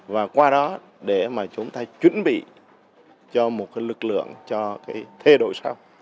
và qua đó để chúng ta chuẩn bị cho một lực lượng cho thê đội sau